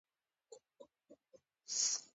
فیل د ځنګل لوی حیوان دی.